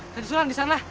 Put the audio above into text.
kandung sunan disana